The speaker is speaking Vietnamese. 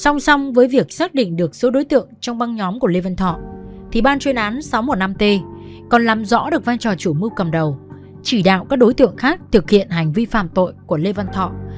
song song với việc xác định được số đối tượng trong băng nhóm của lê văn thọ thì ban chuyên án sáu trăm một mươi năm t còn làm rõ được vai trò chủ mưu cầm đầu chỉ đạo các đối tượng khác thực hiện hành vi phạm tội của lê văn thọ